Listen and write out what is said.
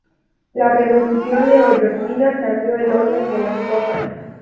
La revolución neoyorquina cambió el orden de las cosas.